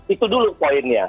itu dulu poinnya